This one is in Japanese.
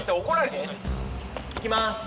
行きます！